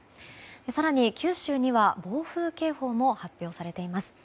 更に九州には暴風警報も発表されています。